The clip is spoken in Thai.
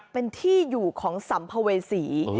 เป็นที่อยู่ของสัมภเวษี